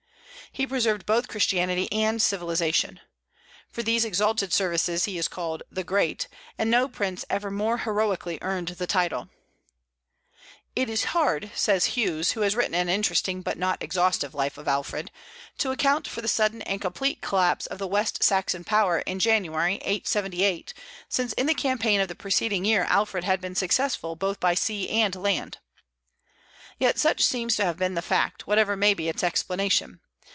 He preserved both Christianity and civilization. For these exalted services he is called "the Great;" and no prince ever more heroically earned the title. "It is hard," says Hughes, who has written an interesting but not exhaustive life of Alfred, "to account for the sudden and complete collapse of the West Saxon power in January, 878, since in the campaign of the preceding year Alfred had been successful both by sea and land." Yet such seems to have been the fact, whatever may be its explanation.